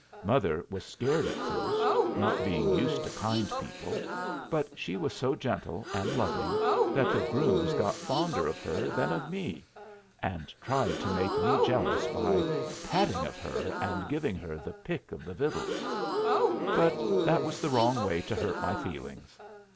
Mother was scared at first not being used to kind people; but she was so gentle and loving that the grooms got fonder of her than of me, and tried to make me jealous by patting of her and giving her the pick of the vittles. But that was the wrong way to hurt my feelings.